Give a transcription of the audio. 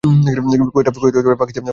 কোয়েটা পাকিস্তানের সর্ব্বোচ্চ শহর।